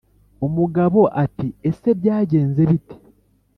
umugabo ati: "Ese, byagenze bite?